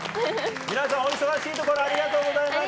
皆さんお忙しいところありがとうございました。